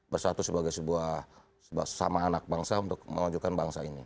bersatu sebagai sebuah sama anak bangsa untuk memajukan bangsa ini